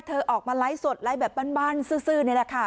เธอออกมาไล่สดไล่แบบบ้านบ้านซื้อนี้แหละค่ะ